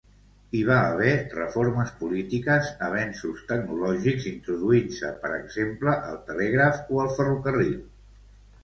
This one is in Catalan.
Hi va haver reformes polítiques, avenços tecnològics, introduint-se, per exemple, el telègraf o el ferrocarril.